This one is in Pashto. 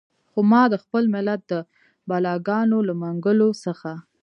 خو ما د خپل ملت د بلاګانو له منګولو څخه.